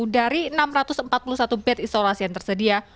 dari enam ratus empat puluh satu bed isolasi yang tersedia